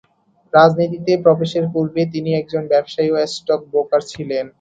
রাজনীতিতে প্রবেশের পূর্বে তিনি একজন ব্যবসায়ী ও স্টকব্রোকার ছিলেন।